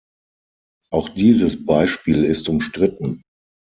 Auch dieses Beispiel ist umstritten.